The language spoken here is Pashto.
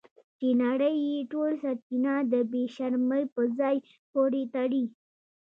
چې نړۍ یې ټول سرچینه د بې شرمۍ په ځای پورې تړي.